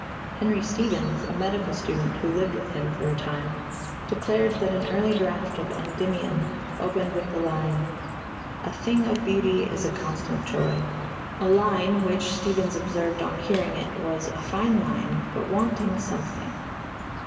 Henry Stephens, a medical student who lived with him for time, declared that an early draft of Endymion opened with the line: A thing of beauty is a constant joy a line which, Stephens observed on hearing it, was "a fine line, but wanting something."